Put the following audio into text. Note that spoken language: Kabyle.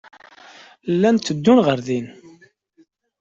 Llant tteddunt ɣer din.